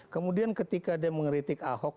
kemudian ketika dia mengeritik ahok